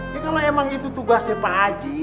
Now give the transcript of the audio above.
ya kalau emang itu tugasnya pak aji